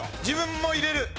自分も入れる。